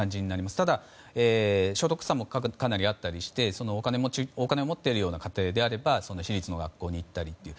ただ、所得差もかなりあってお金を持っているような家庭なら私立の学校に行ったりとか。